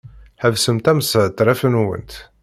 Ḥebsemt ashetref-nwent!